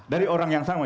dari orang yang sama